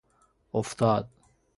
افتاد